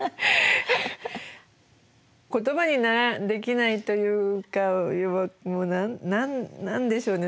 言葉にできないというかもう何でしょうね